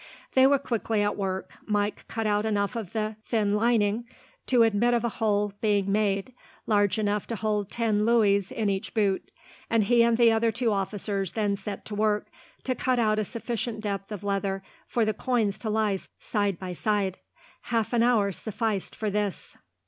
They were quickly at work. Mike cut out enough of the thin lining to admit of a hole being made, large enough to hold ten louis in each boot, and he and the two officers then set to work, to cut out a sufficient depth of leather for the coins to lie side by side. Half an hour sufficed for this.